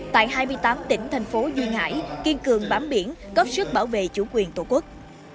tại hai mươi tám tỉnh thành phố duy ngãi kiên cường bám biển góp sức bảo vệ chủ quyền tổ quốc